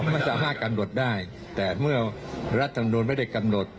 มันสามารถกำหนดได้แต่เมื่อรัฐธรรมนุนไม่ได้กำหนด